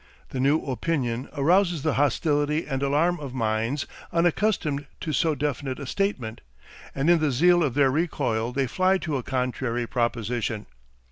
The new opinion arouses the hostility and alarm of minds unaccustomed to so definite a statement, and in the zeal of their recoil they fly to a contrary proposition.